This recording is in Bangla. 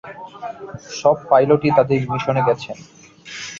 সব পাইলটই তাদের মিশনে গেছেন।